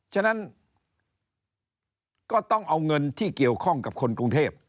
ฉะนั้นก็ต้องเอาเงินที่เกี่ยวข้องกับคนกรุงเทพ